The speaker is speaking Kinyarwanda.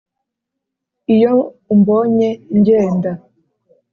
iyo umbonye ngenda,